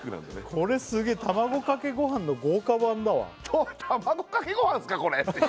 これすげえ卵かけごはんの豪華版だわあ